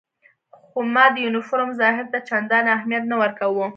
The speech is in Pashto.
خو ما د یونیفورم ظاهر ته چندانې اهمیت نه ورکاوه.